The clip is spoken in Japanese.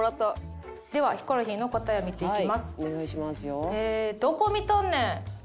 ではヒコロヒーの答えを見ていきます。